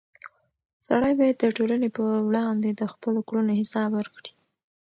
سړی باید د ټولنې په وړاندې د خپلو کړنو حساب ورکړي.